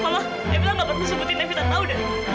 mama evita gak pernah sebutin evita tau deh